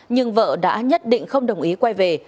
nhưng vợ đã nhất định không đồng ý quay về